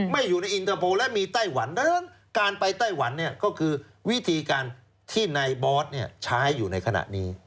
ไม่อยู่ในอินเตอร์โพลและมีไต้หวันดังนั้นการไปไต้หวันเนี่ยก็คือวิธีการที่นายบอสใช้อยู่ในขณะนี้